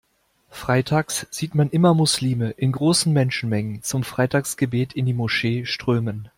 Freitags sieht man immer Muslime in großen Menschenmengen zum Freitagsgebet in die Moschee strömen.